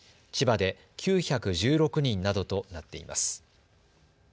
千葉で９１６人などとなっています。